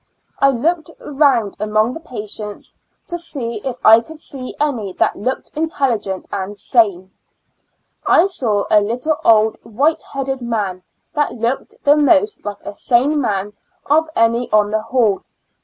I looked round among the patients to see if I could see any that looked intelligent and sane ; I saw a little old white headed man that looked the most like a sane man of any on the hall.